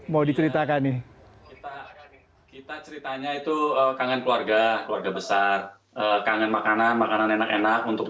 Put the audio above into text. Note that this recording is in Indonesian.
mau dicaritakan nih ceritanya itu kangen keluarga keluarga besar kangen feed agenda almonds untuk